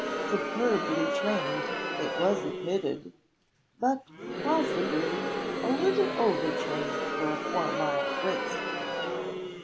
Superbly trained, it was admitted but, possibly, a little over trained for a four mile race.